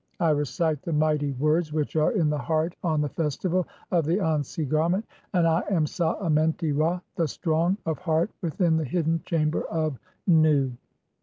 I "recite the mighty [words] which are in the heart on the festival "of the Ansi garment, and I am Sa Amenti (ig) Ra, the strong (?) "of heart within the hidden chamber of Nu."